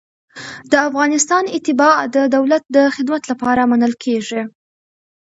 د افغانستان اتباع د دولت د خدمت لپاره منل کیږي.